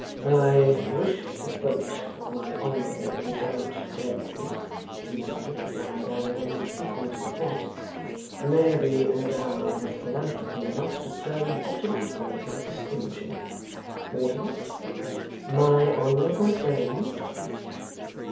'I wish the boat of my honourable and gallant friend,' he murmured, lying down again and speaking into his hat, 'may be endowed with philanthropy enough to turn bottom upward and extinguish him! Mortimer.' 'My honourable friend.